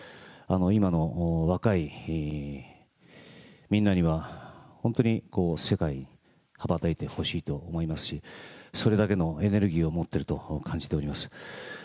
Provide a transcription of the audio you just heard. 今の若いみんなには、本当に世界、羽ばたいてほしいと思いますし、それだけのエネルギーを持っていると感じております。